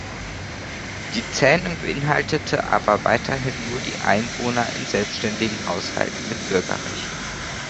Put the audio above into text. Die Zähnung beinhaltete aber weiterhin nur die Einwohner in selbständigen Haushalten mit Bürgerrecht.